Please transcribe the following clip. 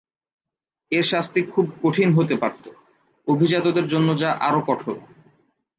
এর শাস্তি খুব কঠিন হতে পারত; অভিজাতদের জন্য যা আরও কঠোর।